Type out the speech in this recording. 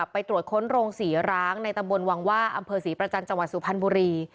ไปตรวจค้นโรงศรีร้างในตำบลวังว่าอำเภอศรีประจันทร์จังหวัดสุพรรณบุรี